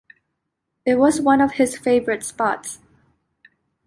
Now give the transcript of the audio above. It was one of his favorite spots.